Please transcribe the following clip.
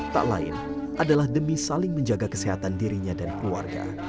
tak lain adalah demi saling menjaga kesehatan dirinya dan keluarga